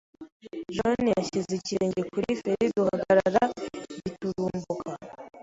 John yashyize ikirenge kuri feri duhagarara giturumbuka.